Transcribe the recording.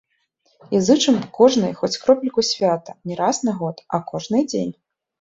І зычым кожнай хоць кропельку свята не раз на год, а кожны дзень!